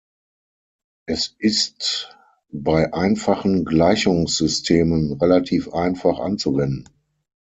Es ist bei einfachen Gleichungssystemen relativ einfach anzuwenden.